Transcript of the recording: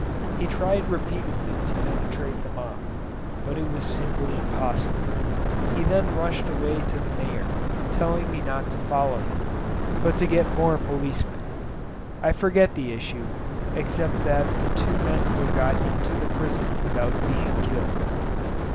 He tried repeatedly to penetrate the mob; but it was simply impossible. He then rushed away to the mayor, telling me not to follow him, but to get more policemen. I forget the issue, except that the two men were got into the prison without being killed.